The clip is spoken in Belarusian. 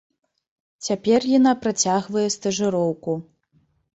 Цяпер яна працягвае стажыроўку.